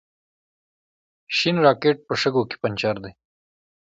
شین راکېټ په شګو کې پنجر دی.